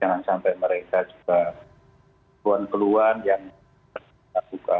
m d jangan sampai mereka juga keluar keluar yang terbuka